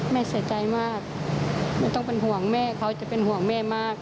ไม่ยิ้มเปล่าแม่หนูบ่อยแม่เสียใจมาก